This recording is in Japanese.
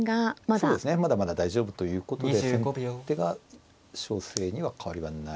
そうですねまだまだ大丈夫ということで先手が勝勢には変わりはないですね。